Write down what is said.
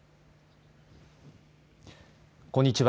こんにちは。